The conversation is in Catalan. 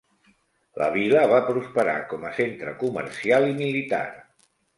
La vila va prosperar com a centre comercial i militar.